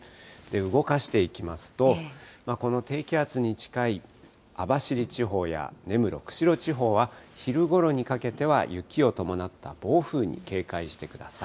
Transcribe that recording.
動かしていきますと、この低気圧に近い網走地方や根室、釧路地方は昼ごろにかけては雪を伴った暴風に警戒してください。